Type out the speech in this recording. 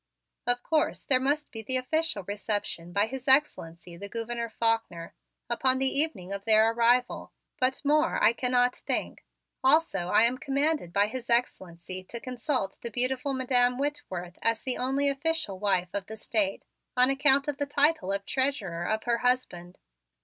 "Of course, there must be the official reception by His Excellency, the Gouverneur Faulkner, upon the evening of their arrival, but more I cannot think. Also, I am commanded by His Excellency to consult the beautiful Madam Whitworth as the only official wife of the State, on account of the title of Treasurer of her husband."